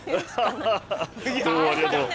どうもありがとう。